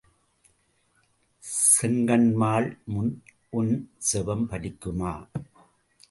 செங்கண்மால் முன் உன் ஜெபம் பலிக்குமா?